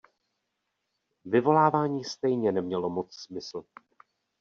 Vyvolávání stejně nemělo moc smysl.